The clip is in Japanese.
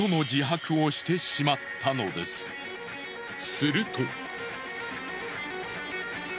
すると。